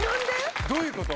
どういうこと？